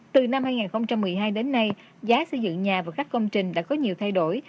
từ năm hai nghìn một mươi hai đến nay giá xây dựng nhà và các công trình đã có nhiều thay đổi